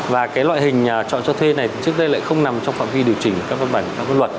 và cái loại hình nhà trọ cho thuê này trước đây lại không nằm trong phạm vi điều chỉnh của các văn bản các văn luật